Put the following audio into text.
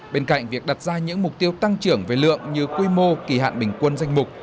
bên cạnh việc đặt ra những mục tiêu tăng trưởng về lượng như quy mô kỳ hạn bình quân danh mục